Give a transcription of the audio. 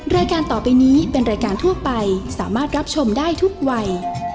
รายการต่อไปนี้เป็นรายการทั่วไปสามารถรับชมได้ทุกวัย